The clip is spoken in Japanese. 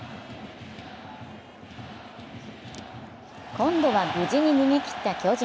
今度は無事に逃げきった巨人。